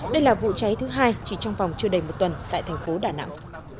đây là vụ cháy thứ hai chỉ trong vòng chưa đầy một tuần tại thành phố đà nẵng